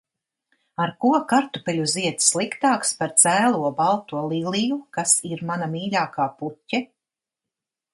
Ar ko kartupeļu zieds sliktāks par cēlo, balto liliju, kas ir mana mīļākā puķe?